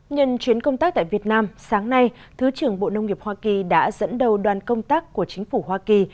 nhân chuyến công tác tại việt nam sáng nay thứ trưởng bộ nông nghiệp hoa kỳ đã dẫn đầu đoàn công tác của chính phủ hoa kỳ